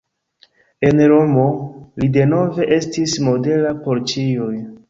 En Romo li denove estis modela por ĉiuj.